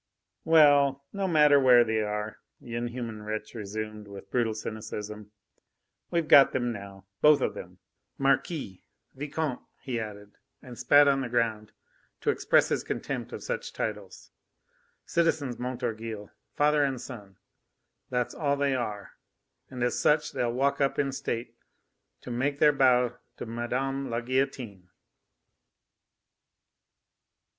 "Well, no matter where they are!" the inhuman wretch resumed, with brutal cynicism. "We've got them now both of them. Marquis! Vicomte!" he added, and spat on the ground to express his contempt of such titles. "Citizens Montorgueil, father and son that's all they are! And as such they'll walk up in state to make their bow to Mme. la Guillotine!"